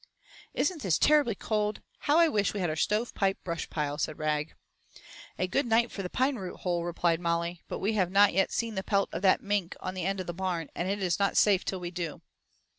"Isn't this terribly cold? How I wish we had our stove pipe brush pile," said Rag. "A good night for the pine root hole," replied Molly, "but we have not yet seen the pelt of that mink on the end of the barn, and it is not safe till we do."